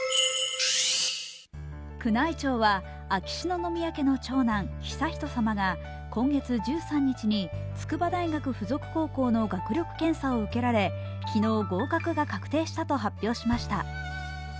宮内庁は秋篠宮家の長男、悠仁さまが今月１３日に筑波大学附属高校の学力検査を受けられ、昨日、合格が確定したと発表しました。